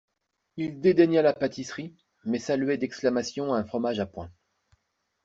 Il dédaignait la pâtisserie, mais saluait d'exclamations un fromage à point.